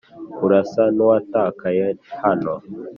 Urasa nuwatakaye hano